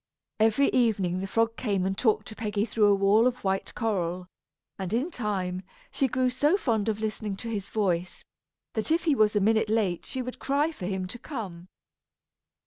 Every evening the frog came and talked to Peggy through a wall of white coral; and in time, she grew so fond of listening to his voice, that if he was a minute late she would cry for him to come.